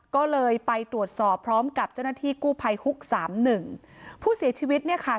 ก็เลยไปตรวจสอบพร้อมกับเจ้าหน้าที่กู้ภัยฮุกสามหนึ่งผู้เสียชีวิตเนี่ยค่ะ